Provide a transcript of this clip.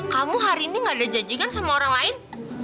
kamu hari ini nggak ada janjikan sama orang lain